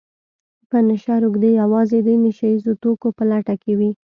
په نشه روږدي يوازې د نشه يیزو توکو په لټه کې وي